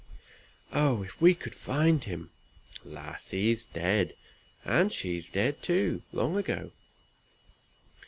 "Oh, if we could find him." "Lass, he's dead, and she's dead, too, long ago!"